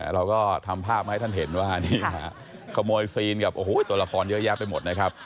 เราก็ทำภาพมาให้ท่านเห็นว่านี่ขโมยซีนกับโอ้โหตัวละครเยอะแยะไปหมดนะครับ